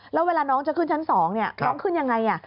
แล้วเวลาน้องจะขึ้นชั้น๒น้องขึ้นยังไง